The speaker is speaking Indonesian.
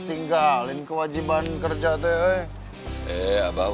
ini banyak salah bro